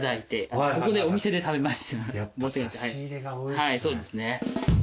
はいそうですね。